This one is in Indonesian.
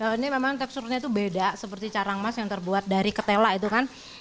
ini memang teksturnya itu beda seperti carang emas yang terbuat dari ketela itu kan